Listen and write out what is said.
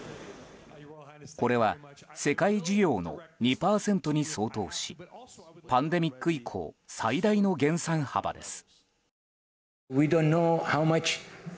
これは、世界需要の２％に相当しパンデミック以降最大の減産幅です。